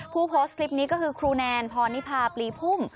โพสต์คลิปนี้ก็คือครูแนนพรนิพาปลีพุ่ม